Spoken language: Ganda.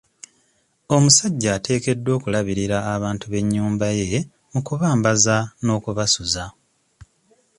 Omusajja ateekeddwa okulabirira abantu b'ennyumba ye mu kubambaza n'okubasuza.